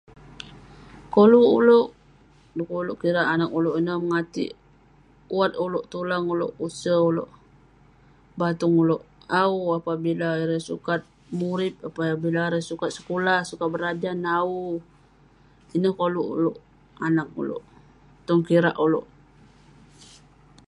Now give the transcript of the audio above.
Koluk ulouk, dekuk ulouk kirak anag ulouk ineh mengatik wat ulouk, mengatik tulang ulouk, use ulouk, batung ulouk awu. Apabila ireh sukat murip, apabila sukat sekulah, sukat berajan awu. Ineh koluk ulouk anag ulouk, tong kirak ulouk.